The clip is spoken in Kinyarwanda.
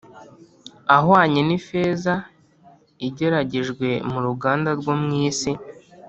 Ahwanye n ifeza igeragejwe mu ruganda rwo mu isi